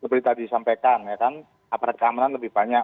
seperti tadi disampaikan ya kan aparat keamanan lebih banyak